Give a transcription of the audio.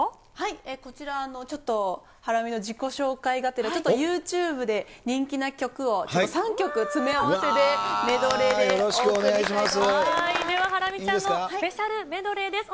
こちら、ちょっとハラミの自己紹介がてら、ちょっとユーチューブで人気な曲を、３曲詰め合わせでメドレーでお送りしたいと思います。